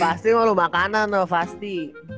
pasti mau lu makanan loh pasti